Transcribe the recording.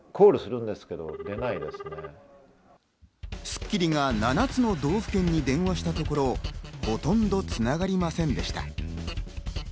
『スッキリ』が７つの道府県に電話したところ、ほとんど繋がりませんでした。